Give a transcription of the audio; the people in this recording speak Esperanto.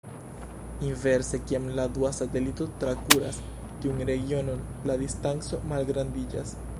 Inverse, kiam la dua satelito trakuras tiun regionon, la distanco malgrandiĝas.